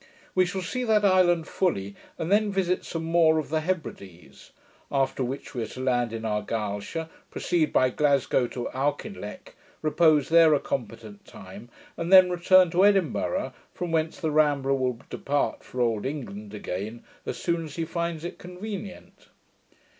We shall see that island fully, and then visit some more of the Hebrides; after which we are to land in Argyleshire, proceed by Glasgow to Auchinleck, repose there a competent time, and then return to Edinburgh, from whence the Rambler will depart for old England again, as soon as he finds it convenient.